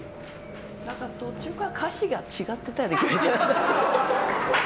途中から歌詞が違ってたような気がします。